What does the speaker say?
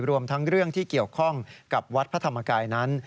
รวมทั้งเรื่องที่เกี่ยวข้องกับวัดพระธรรมกายนั้น